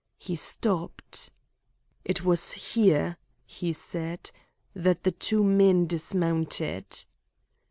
He stopped. "It was here," he said, "that the two men dismounted."